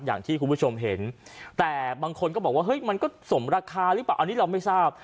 อย่างที่คุณผู้ชมเห็นแต่บางคนก็บอกว่าเฮ้ยมันก็สมราคาหรือเปล่าอันนี้เราไม่ทราบ